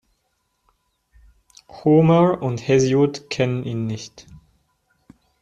Homer und Hesiod kennen ihn nicht.